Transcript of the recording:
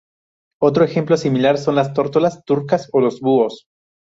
Otro ejemplo similar son las tórtolas turcas o los búhos.